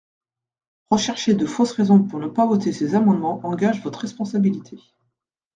Rechercher de fausses raisons pour ne pas voter ces amendements engage votre responsabilité.